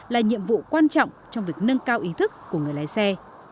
là nhiệm vụ quan trọng trong việc nâng cao ý thức của người lái xe